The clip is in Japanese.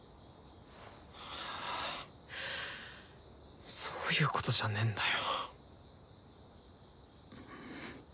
はぁそういうことじゃねえんだよ。